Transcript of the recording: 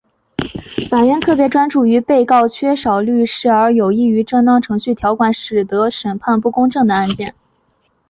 法院特别专注于因为被告缺少律师而有异于正当程序条款使得审判不公正的案件。